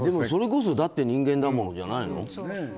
それこそ、だって人間だものじゃないの。